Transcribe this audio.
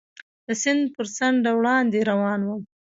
د سیند پر څنډه وړاندې روان ووم.